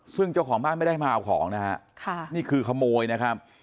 ซึ่งเจ้าของบ้านไม่ได้มาเอาของนะฮะค่ะนี่คือขโมยนะครับ